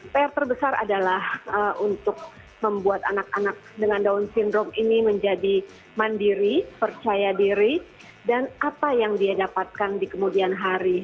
pr terbesar adalah untuk membuat anak anak dengan down syndrome ini menjadi mandiri percaya diri dan apa yang dia dapatkan di kemudian hari